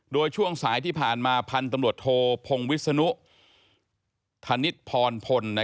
โดยช่วงสายที่ผ่านมาพันธุ์ตำรวจโทพงวิศนุธนิษฐพรพล